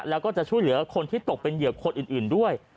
แล้วก็จะช่วยเหลือคนที่ตกเป็นเหยื่อคนอื่นด้วย